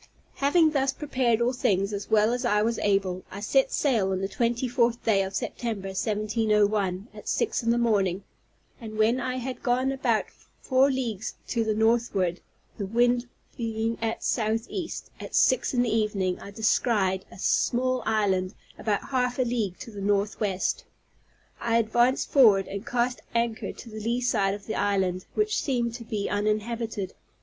Having thus prepared all things as well as I was able, I set sail on the twenty fourth day of September, 1701, at six in the morning; and when I had gone about four leagues to the northward, the wind being at southeast, at six in the evening I descried a small island about half a league to the northwest. I advanced forward, and cast anchor on the lee side of the island, which seemed to be uninhabited.